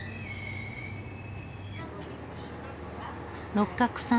六角さん